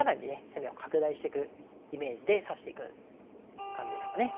攻めを拡大してくイメージで指していく感じですかね。